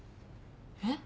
えっ？